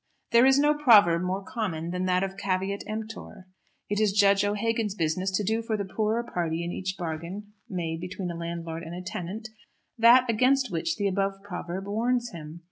There is no proverb more common than that of "caveat emptor." It is Judge O'Hagan's business to do for the poorer party in each bargain made between a landlord and a tenant that against which the above proverb warns him.